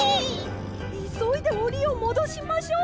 いそいでおりをもどしましょう！